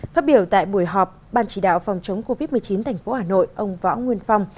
phát biểu tại buổi họp ban chỉ đạo phòng chống covid một mươi chín tp hà nội ông võ nguyên phong